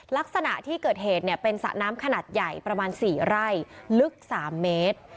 ลักษณะที่เกิดเหตุเนี่ยเป็นสระน้ำขนาดใหญ่ประมาณ๔ไร่ลึก๓เมตร